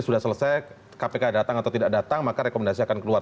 sudah selesai kpk datang atau tidak datang maka rekomendasi akan keluar